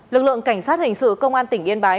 lực lượng cảnh sát hình sự công an tỉnh yên bái